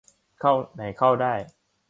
เข้าไหนเข้าได้